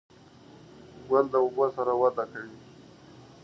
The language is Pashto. ګل د اوبو سره وده کوي.